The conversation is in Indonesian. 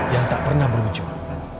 yang tak pernah berujung